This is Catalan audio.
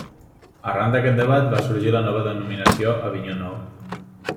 Arran d'aquest debat va sorgir la nova la denominació Avinyó Nou.